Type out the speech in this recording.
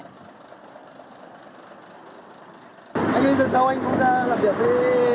anh ơi giờ chào anh muốn ra làm việc với